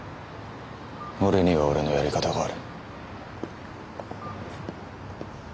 俺には俺のやり方がある。